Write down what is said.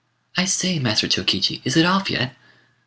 "I say, Master Chokichi, is it off yet?"